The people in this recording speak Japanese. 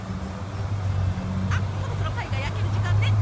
あっそろそろパイが焼ける時間ね。